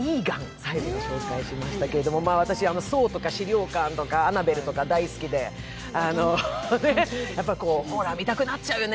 最後に紹介しましたけれども私、「ソウ」とか「死霊館」とか「アナベル」とか大好きで、見たくなっちゃうよね。